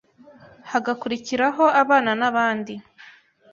hagakurikiraho abana n’abandi